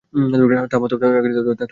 থামো তো, ড্রাক।